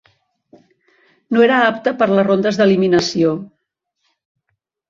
No era apte per les rondes d'eliminació.